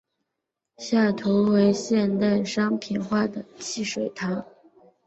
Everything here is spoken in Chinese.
下图为现代商品化的汽水糖。